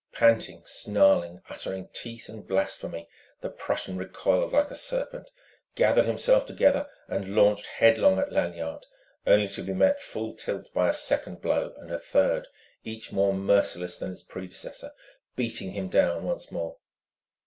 Panting, snarling, uttering teeth and blasphemy, the Prussian recoiled like a serpent, gathered himself together and launched headlong at Lanyard, only to be met full tilt by a second blow and a third, each more merciless than its predecessor, beating him down once more.